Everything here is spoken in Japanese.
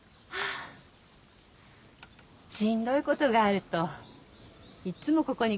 しんどい事があるといっつもここに来るんだ。